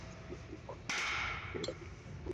অথচ সে বাবাকে এক দিনও ব্যথা দেয় নি।